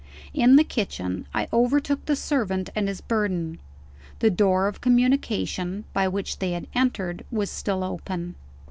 In the kitchen, I overtook the servant and his burden. The door of communication (by which they had entered) was still open.